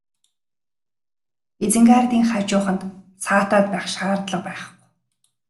Изенгардын хажууханд саатаад байх шаардлага байхгүй.